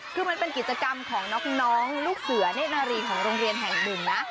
คือมันเป็นกิจกรรมของน้องลูกเสือเนธนารีของโรงเรียนแห่งหนึ่งนะ